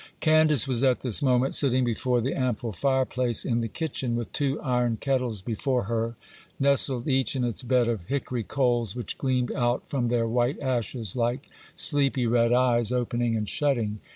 Candace was at this moment sitting before the ample fireplace in the kitchen, with two iron kettles before her, nestled each in its bed of hickory coals, which gleamed out from their white ashes like sleepy, red eyes, opening and shutting.